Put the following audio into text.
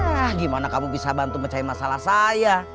nah gimana kamu bisa bantu mencahi masalah saya